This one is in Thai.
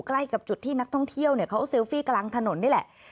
ใกล้กับจุดที่นักท่องเที่ยวเขาเซลฟี่กลางถนนนี่แหละ